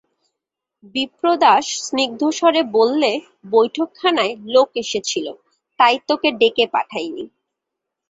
বিপ্রদাস স্নিগ্ধস্বরে বললে, বৈঠকখানায় লোক এসেছিল, তাই তোকে ডেকে পাঠাই নি।